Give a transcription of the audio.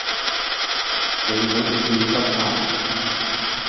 你可以說不怕